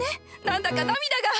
何だか涙が。